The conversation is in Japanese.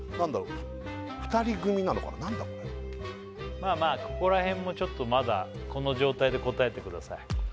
まあまあここら辺もちょっとまだこの状態で答えてください